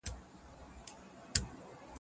زه هره ورځ د کتابتون پاکوالی کوم.